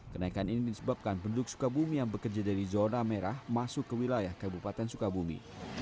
kenaikan ini disebabkan penduduk sukabumi yang bekerja dari zona merah masuk ke wilayah kabupaten sukabumi